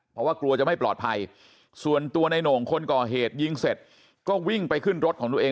เพราะว่ากลัวจะไม่ปลอดภัยส่วนตัวในโหน่งคนก่อเหตุยิงเสร็จก็วิ่งไปขึ้นรถของตัวเอง